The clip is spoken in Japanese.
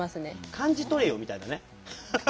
「感じ取れよ」みたいなね。